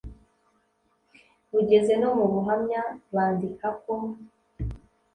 bugeze no mu buhamya bandika ko